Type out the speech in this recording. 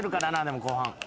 でも後半。